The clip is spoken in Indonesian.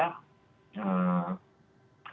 karena itu menurut saya